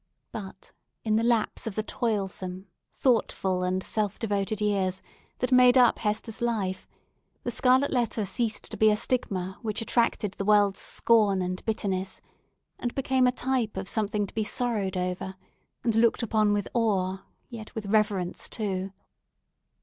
But, in the lapse of the toilsome, thoughtful, and self devoted years that made up Hester's life, the scarlet letter ceased to be a stigma which attracted the world's scorn and bitterness, and became a type of something to be sorrowed over, and looked upon with awe, yet with reverence too.